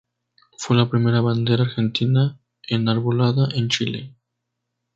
Fue la primera bandera argentina enarbolada en Chile.